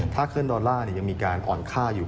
ถ้าขึ้นดอลลาร์ยังมีการอ่อนค่าอยู่